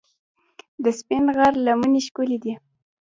د سپین غر لمنې ښکلې دي